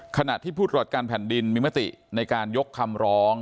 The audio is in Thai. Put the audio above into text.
ขณะที่ผู้ตรวจการแผ่นดินมีมติในการยกคำร้อง